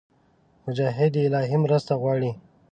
مجاهد د الهي مرسته غواړي.